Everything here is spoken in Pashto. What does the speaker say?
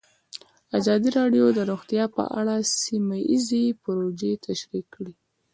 ازادي راډیو د روغتیا په اړه سیمه ییزې پروژې تشریح کړې.